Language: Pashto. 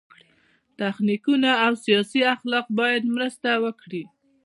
تخنیکونه او سیاسي اخلاق باید مرسته وکړي.